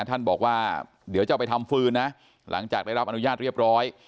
ท่านบอกว่าเดี๋ยวจะเอาไปทำฟืนนะหลังจากได้รับอนุญาตเรียบร้อย